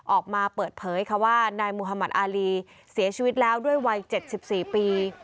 ออกมาเปิดเผยค่ะว่านายมุธมัติอารีเสียชีวิตแล้วด้วยวัย๗๔ปี